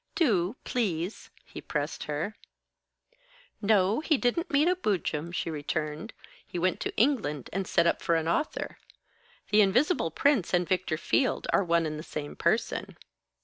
Do, please," he pressed her. "No, he didn't meet a boojum," she returned. "He went to England, and set up for an author. The Invisible Prince and Victor Field are one and the same person."